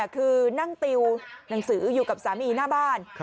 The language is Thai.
คือนั่งติวหนังสืออยู่กับสามีหน้าบ้าน